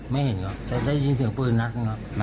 ไม่เห็นครับแต่ได้ยินเสียงปืนนัดหนึ่งครับ